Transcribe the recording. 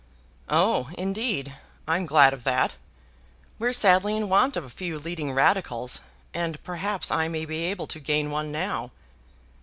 "Oh, indeed; I'm glad of that. We're sadly in want of a few leading Radicals, and perhaps I may be able to gain one now."